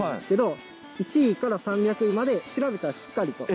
はい１位３００位まで調べたらしっかりとえ